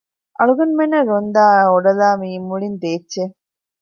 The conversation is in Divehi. އަޅުގަނޑުމެންނަށް ރޮންދާ އާ އޮޑަލާ މިއީ މުޅީން ދޭއްޗެއް